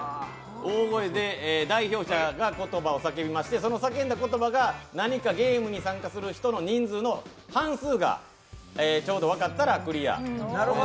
大声で代表者が言葉を叫びまして、その叫んだ言葉が何かゲームに参加する人の人数の半数がちょうど分かったらクリア。